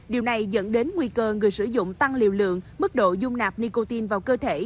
điều này dẫn đến nguy cơ người sử dụng tăng liều lượng mức độ dung nạp nicotine vào cơ thể